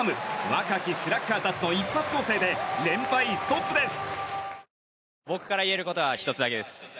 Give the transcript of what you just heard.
若きスラッガーたちの一発攻勢で連敗ストップです。